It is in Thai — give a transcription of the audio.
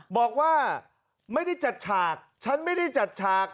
บอกว่าไม่ได้จัดฉากฉันไม่ได้จัดฉาก